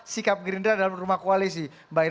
sikap gerindra dalam rumah koalisi